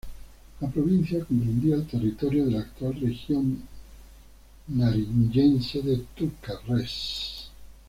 La provincia comprendía el territorio de la actual región nariñense de Túquerres.